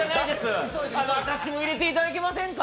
私も入れていただけませんか？